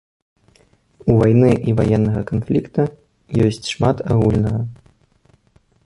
У вайны і ваеннага канфлікта ёсць шмат агульнага.